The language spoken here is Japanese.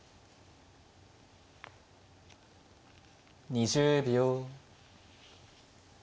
２０秒。